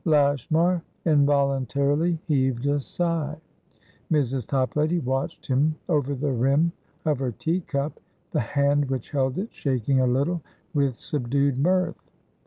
Lashmar involuntarily heaved a sigh. Mrs. Toplady watched him over the rim of her teacup, the hand which held it shaking a little with subdued mirth.